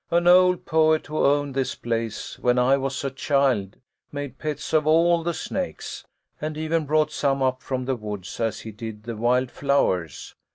"An old poet who owned this place when I was a child made pets of all the snakes, and even brought some up from the woods as he did the wild flowers.